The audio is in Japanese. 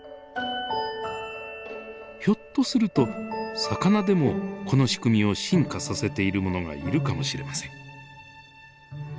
ひょっとすると魚でもこの仕組みを進化させているものがいるかもしれません。